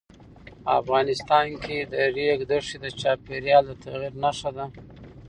افغانستان کې د ریګ دښتې د چاپېریال د تغیر نښه ده.